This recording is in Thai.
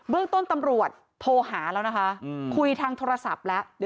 เรื่องต้นตำรวจโทรหาแล้วนะคะคุยทางโทรศัพท์แล้ว